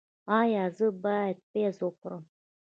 ایا زه باید پیاز وخورم؟